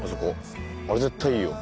あれ絶対いいよ。